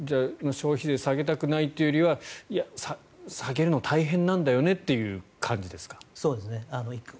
消費税を下げたくないというよりは下げるの大変なんだよねという感じですか？